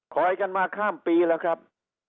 กันมาข้ามปีแล้วครับ